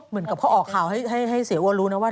เหมือนกับเขาออกข่าวให้เสียอ้วนรู้นะว่า